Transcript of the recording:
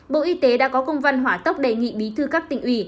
bộ y tế đã có công văn hỏa tốc đề nghị bí thư các tỉnh ủy